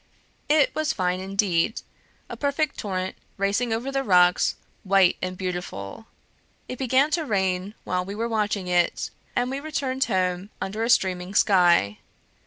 It was fine indeed; a perfect torrent racing over the rocks, white and beautiful! It began to rain while we were watching it, and we returned home under a streaming sky.